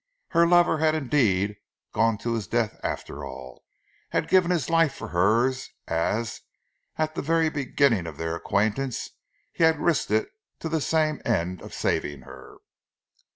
Her lover had indeed gone to his death after all, had given his life for hers as at the very beginning of their acquaintance he had risked it to the same end of saving her!